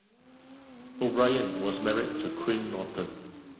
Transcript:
O'Brien was married to Quinn Norton.